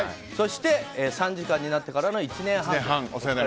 そして、３時間になってからの１年半です。